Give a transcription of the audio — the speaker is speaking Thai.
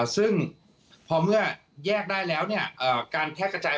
ซึ่งพอเมื่อแยกได้แล้วการแพร่กระจาย